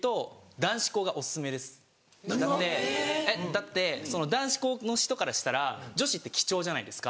だって男子校の人からしたら女子って貴重じゃないですか。